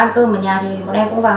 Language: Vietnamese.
ăn cơm ở nhà thì bọn em cũng vào